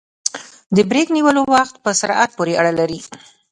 د بریک نیولو وخت په سرعت پورې اړه لري